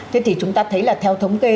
thế thì chúng ta thấy là theo thống kê